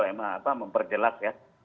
memang memperjelas ya